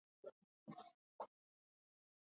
lakini kwa sasa huo usaidizi